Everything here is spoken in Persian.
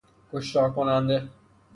کشتار کننده